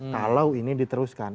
kalau ini diteruskan